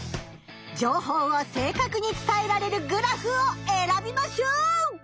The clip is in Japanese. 情報を正かくに伝えられるグラフを選びましょう！